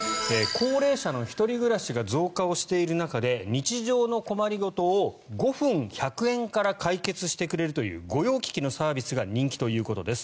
高齢者の１人暮らしが増加している中で日常の困り事を５分１００円から解決してくれるという御用聞きのサービスが人気ということです。